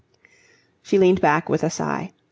She leaned back with a sigh.